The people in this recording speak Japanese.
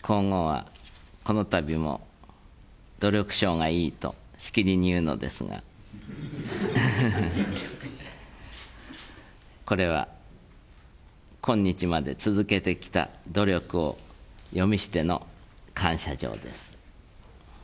皇后は、このたびも努力賞がいいとしきりに言うのですが、これは今日まで続けてきた努力をよみしての感謝状です。